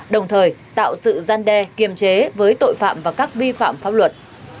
đồng thời tạo sự gian đe kiềm chế với tội phạm và các vi phạm pháp luật